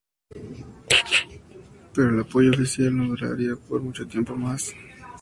Pero el apoyo oficial no duraría por mucho tiempo más.